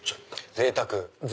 ぜいたく！